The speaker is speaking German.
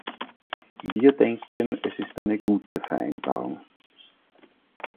Wir denken, es ist eine gute Vereinbarung.